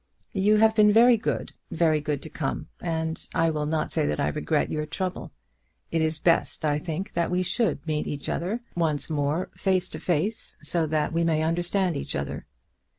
"You have been very good, very good to come, and I will not say that I regret your trouble. It is best, I think, that we should meet each other once more face to face, so that we may understand each other.